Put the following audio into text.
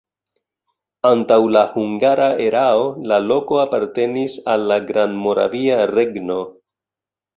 Antaŭ la hungara erao la loko apartenis al la Grandmoravia Regno.